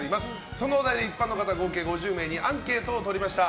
そのお題で一般の方５０名にアンケートを取りました。